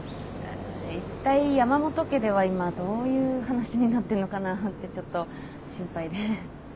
いったい山本家では今どういう話になってんのかなってちょっと心配で。